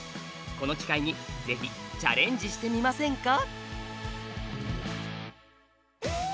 この機会にぜひチャレンジしてみませんか？